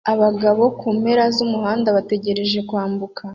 Abagabo kumpande zumuhanda bategereje kwambuka